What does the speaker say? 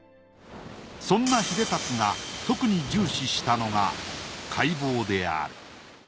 そんな英龍が特に重視したのが海防である。